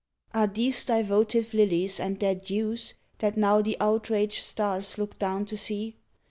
Are these thy votive lilies and their dews, That now the outraged stars look down to see?